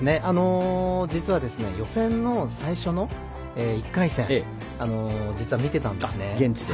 実は予選の最初の１回戦見ていたんですね。